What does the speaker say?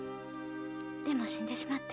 でも死んでしまって。